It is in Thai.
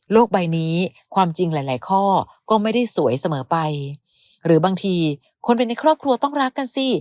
ใบนี้ความจริงหลายหลายข้อก็ไม่ได้สวยเสมอไปหรือบางทีคนเป็นในครอบครัวต้องรักกันสิ